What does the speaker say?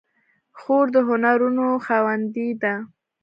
خور د هنرونو خاوندې ده.